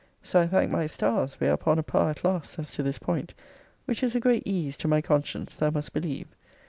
So, I thank my stars, we are upon a par at last, as to this point, which is a great ease to my conscience, thou must believe.